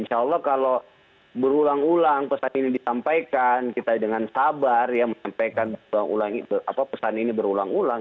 insya allah kalau berulang ulang pesan ini disampaikan kita dengan sabar ya menyampaikan pesan ini berulang ulang